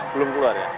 belum keluar ya